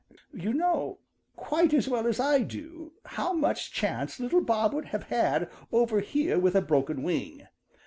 You know quite as well as I do how much chance little Bob would have had over here with a broken wing.